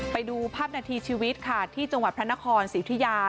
ไปดูภาพนาทีชีวิตค่ะที่จังหวัดพระนครศรีอุทิยา